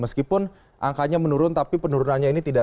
meskipun angkanya menurun tapi penurunannya yang lebih tinggi